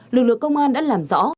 lực lượng công an đã làm rõ